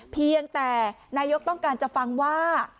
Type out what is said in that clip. เพียงแต่นายกต้องการจะฟังว่า